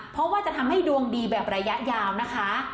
เพราะว่าจะทำให้ดวงดีแบบระยะยาวนะคะ